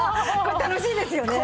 これ楽しいですよね。